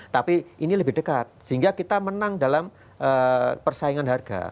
tapi ini lebih dekat sehingga kita menang dalam persaingan harga